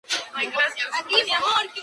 Todos deberían ser importados.